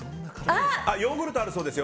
ヨーグルトあるそうですよ。